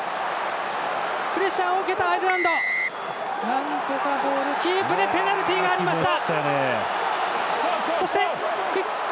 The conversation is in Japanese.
なんとかボールキープでペナルティがありました。